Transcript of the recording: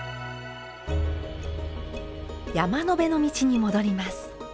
山辺の道に戻ります。